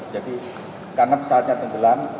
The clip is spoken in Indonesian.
jadi karena saatnya tenggelam